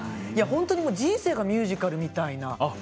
本当に人生がミュージカルみたいな。